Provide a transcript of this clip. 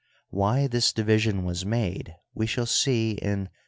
Why this division was made we shall see in § 3.